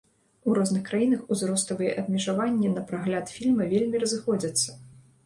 У розных краінах узроставыя абмежаванні на прагляд фільма вельмі разыходзяцца.